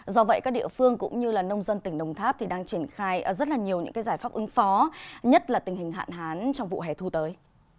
do vậy các địa phương cũng như nông dân tỉnh đồng tháp đang triển khai rất nhiều giải pháp ứng phó nhất là tình hình hạn hán trong vụ hè thu tới